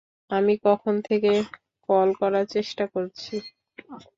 আমি কখন থেকে কল করার চেষ্টা করছি।